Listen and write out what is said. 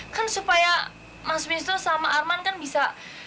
kan supaya mas wisnu sama arman kan bisa